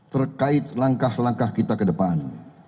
terkait langkah langkah kita ke depan